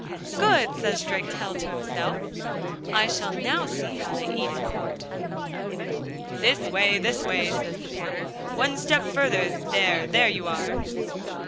'Good!' says Drakestail to himself, 'I shall now see how they eat at court.' 'This way, this way,' says the porter. 'One step further.... There, there you are.